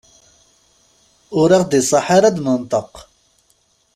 Ur aɣ-d-iṣaḥ ara ad d-nenṭeq.